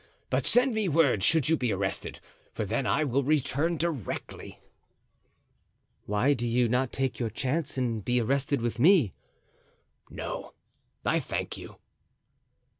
But send me word should you be arrested, for then I will return directly." "Why do you not take your chance and be arrested with me?" "No, I thank you."